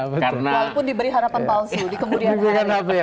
walaupun diberi harapan palsu di kemudian hari